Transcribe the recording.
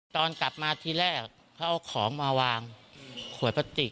ตอนกลับมาทีแรกเขาเอาของมาวางขวดพลาสติก